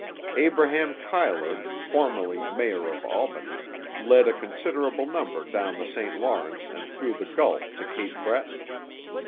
Abraham Cuyler, formerly mayor of Albany, led a considerable number down the St Lawrence and through the Gulf to Cape Breton.